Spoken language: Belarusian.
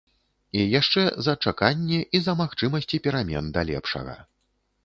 І яшчэ за чаканне і за магчымасці перамен да лепшага.